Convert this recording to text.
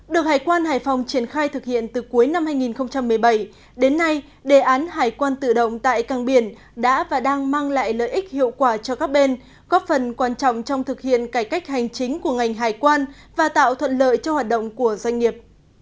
được hải quan hải phòng triển khai thực hiện từ cuối năm hai nghìn một mươi bảy đến nay đề án hải quan tự động tại càng biển đã và đang mang lại lợi ích hiệu quả cho các bên góp phần quan trọng trong thực hiện cải cách hành chính của ngành hải quan và tạo thuận lợi cho hoạt động của doanh nghiệp